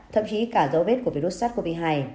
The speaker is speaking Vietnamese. thậm chí cả dấu vết của virus sars cov hai